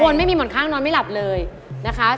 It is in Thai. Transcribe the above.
นไม่มีหมอนข้างนอนไม่หลับเลยนะคะ